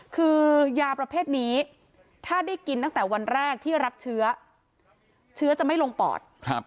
คือยาประเภทนี้ถ้าได้กินตั้งแต่วันแรกที่รับเชื้อเชื้อจะไม่ลงปอด